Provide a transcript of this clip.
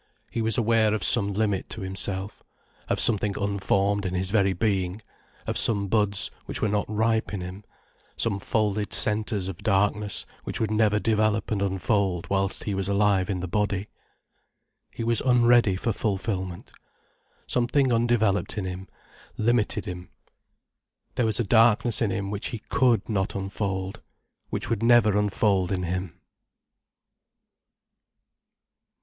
He was aware of some limit to himself, of something unformed in his very being, of some buds which were not ripe in him, some folded centres of darkness which would never develop and unfold whilst he was alive in the body. He was unready for fulfilment. Something undeveloped in him limited him, there was a darkness in him which he could not unfold, which would never unfold in him.